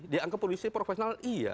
dianggap polisi profesional iya